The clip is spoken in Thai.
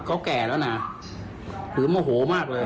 เขาทำไมไม่ทำเป็นของเราเนี่ย